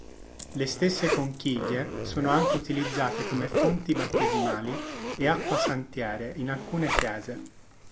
Le stesse conchiglie sono anche utilizzate come fonti battesimali e acquasantiere in alcune chiese.